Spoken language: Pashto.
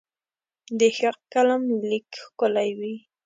د ښه قلم لیک ښکلی وي.